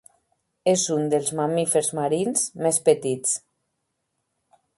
És un dels mamífers marins més petits.